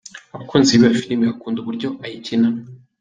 Abakunzi b’iyo filime bakunda uburyo ayikinamo.